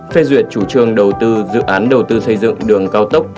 phê duyệt chủ trương đầu tư dự án đầu tư xây dựng đường cao tốc